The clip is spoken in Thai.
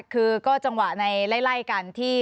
คือก็จังหวะในลายการที่